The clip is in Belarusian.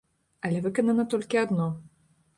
Але выканана толькі адно.